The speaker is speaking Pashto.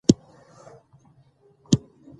احمدشاه بابا د شجاعت مثالونه په تاریخ کې ثبت دي.